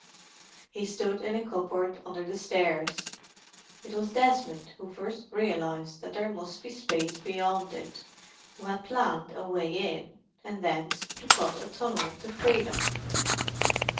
He stood in a cupboard under the stairs. It was Desmond who first realized that there must be space beyond it, who had planned a way in, and thence to cut a tunnel to freedom.